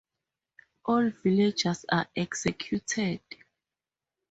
All villagers are executed.